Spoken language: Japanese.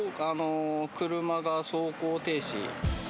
車が走行停止。